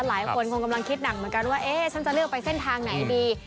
หลายคนคงกำลังคิดหนักเหมือนกันว่าเอ๊ะฉันจะเลือกไปเส้นทางไหนดี